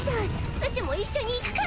うちも一緒に行くから！